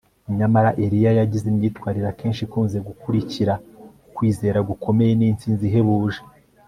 Nyamara Eliya yagize imyitwarire akenshi ikunze gukurikira ukwizera gukomeye nintsinzi ihebuje